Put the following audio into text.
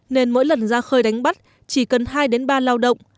nên mỗi lần ra khơi đánh bắt chỉ cần hai ba lao động